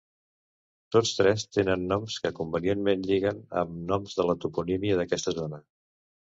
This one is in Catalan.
Tots tres tenen noms que convenientment lliguen amb noms de la toponímia d'aquesta zona.